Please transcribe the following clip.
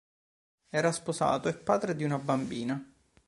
Era sposato e padre di una bambina.